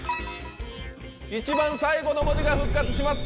一番最後の文字が復活します。